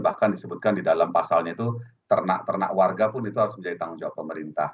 bahkan disebutkan di dalam pasalnya itu ternak ternak warga pun itu harus menjadi tanggung jawab pemerintah